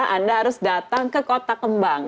anda harus datang ke kota kembang